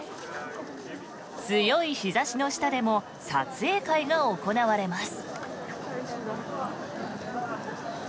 強い日差しの下でも撮影会が行われます。